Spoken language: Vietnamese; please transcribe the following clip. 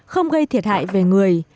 không gây thiệt hại về người